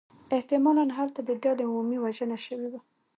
احتمالاً هلته د ډلې عمومی وژنه شوې وه.